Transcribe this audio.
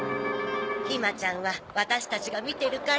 ひまちゃんはワタシたちが見てるから。